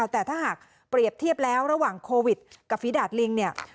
แต่ถ้าหากเปรียบเทียบแล้วระหว่างโควิดกับฝีดาดลิงเนี่ย